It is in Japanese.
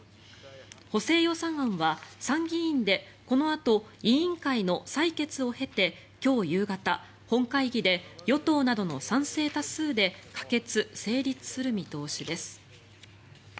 補正予算案は参議院でこのあと委員会の採決を経て今日夕方、本会議で与党などの賛成多数で可決・成立する見通しです。